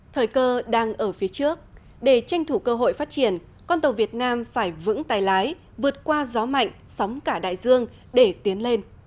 thời cơ đang ở phía trước để tranh thủ cơ hội phát triển con tàu việt nam phải vững tay lái vượt qua gió mạnh sóng cả đại dương để tiến lên